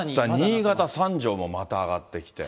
新潟・三条もまた上がってきて。